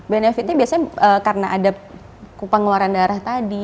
benefitnya biasanya karena ada pengeluaran darah tadi